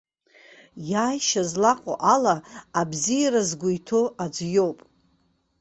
Иааишьа злаҟоу ала, абзиара згәы иҭоу аӡәы иоуп.